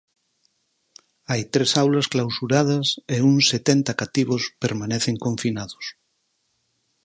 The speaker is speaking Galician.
Hai tres aulas clausuradas e uns setenta cativos permanecen confinados.